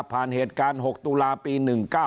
ผ่านเหตุการณ์๖ตัวปี๑๙